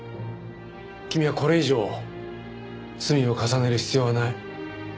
君はこれ以上罪を重ねる必要はない。